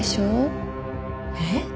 えっ！？